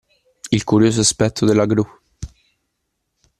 Il curioso aspetto della gru